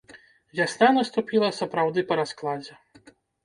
Вясна наступіла сапраўды па раскладзе.